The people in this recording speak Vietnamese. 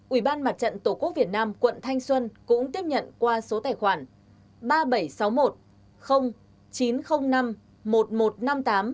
ủy ban mặt trận tổ quốc việt nam quận thanh xuân cũng tiếp nhận qua số tài khoản